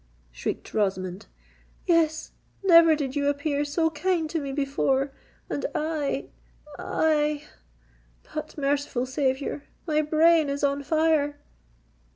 shrieked Rosamond. "Yes—never did you appear so kind to me before—and I—I——But, merciful Saviour! my brain is on fire!"